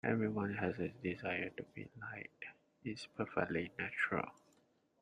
Everyone has a desire to be liked, it's perfectly natural.